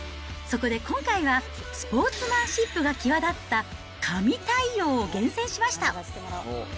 そこで今回はスポーツマンシップが際立った神対応を厳選しました。